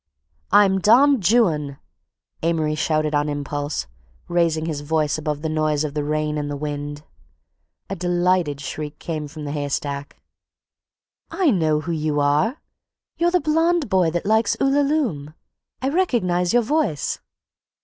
"I'm Don Juan!" Amory shouted on impulse, raising his voice above the noise of the rain and the wind. A delighted shriek came from the haystack. "I know who you are—you're the blond boy that likes 'Ulalume'—I recognize your voice."